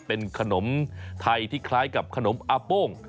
เป็นขนมไทยที่คล้ายกับขนมอาโป้ง